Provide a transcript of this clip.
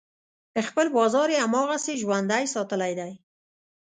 خپل بازار یې هماغسې ژوندی ساتلی دی.